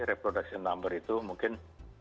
reproduksi number itu mungkin